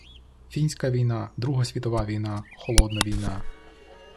– Фінська війна, Друга світова війна, «холодна» війна